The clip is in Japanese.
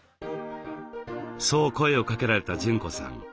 そう声をかけられた淳子さん